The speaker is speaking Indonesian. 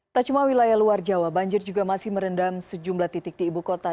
tak cuma wilayah luar jawa banjir juga masih merendam sejumlah titik di ibu kota